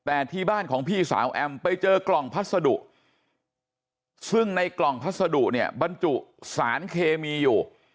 แต่ที่บ้านของพี่สาวแอมไปเจอกล่องพัสดุซึ่งในกล่องพัสดุเนี่ยบรรจุสารเคมีอยู่